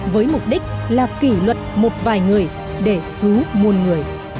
với mục đích là kỷ luật một vài người để cứu muôn người